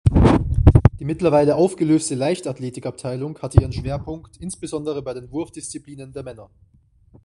Die mittlerweile aufgelöste Leichtathletikabteilung hatte ihren Schwerpunkt insbesondere bei den Wurfdisziplinen der Männer.